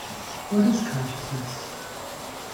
What is consciousness?